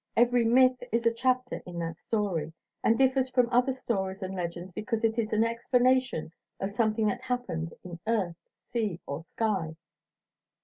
Every myth is a chapter in that story, and differs from other stories and legends because it is an explanation of something that happened in earth, sea, or sky.